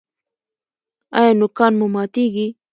ایا نوکان مو ماتیږي؟